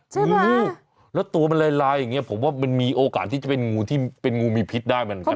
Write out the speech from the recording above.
จริงหรอแล้วตัวมันลายอย่างนี้ผมว่ามีโอกาสที่จะเป็นงูมีพิษได้เหมือนกันนะ